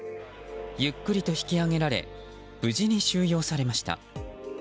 ゆっくりと引き上げられ無事に収容されました。